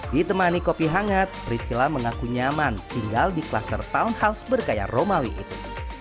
ditemani kopi hangat priscila mengaku nyaman tinggal di kluster townhouse bergaya romawi itu